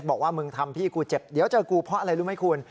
บอกว่ามึงทำพี่กูเจ็บเดี๋ยวเจอกูเพราะอะไรรู้ไหมคุณ